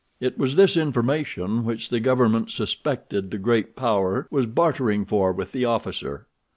It was this information which the government suspected the great power was bartering for with the officer.